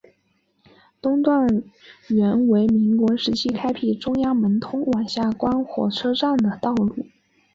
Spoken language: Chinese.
东段原为民国时期开辟中央门通往下关火车站的道路。